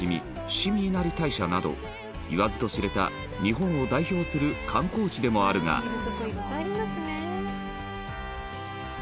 伏見稲荷大社など言わずと知れた、日本を代表する観光地でもあるが羽田：見るとこいっぱいありますね。